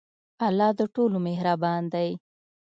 الله د ټولو مهربان دی.